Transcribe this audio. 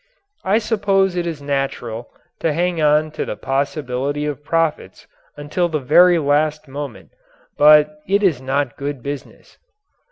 I suppose it is natural to hang on to the possibility of profits until the very last moment, but it is not good business.